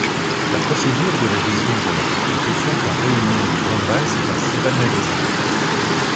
La procédure de révision de la Constitution par réunion du Congrès s'est ainsi banalisée.